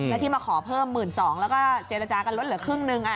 แล้วที่มาขอเพิ่ม๑๒๐๐แล้วก็เจรจากันลดเหลือครึ่งหนึ่ง